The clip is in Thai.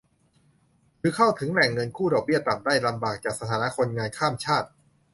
หรือเข้าถึงแหล่งเงินกู้ดอกเบี้ยต่ำได้ลำบากจากสถานะคนงานข้ามชาติ